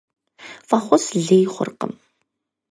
ФӀэхъус лей хъуркъым.